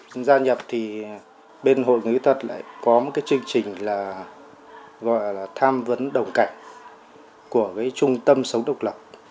chúng gia nhập thì bên hội người khuyết tật lại có một cái chương trình là gọi là tham vấn đồng cảnh của trung tâm sống độc lập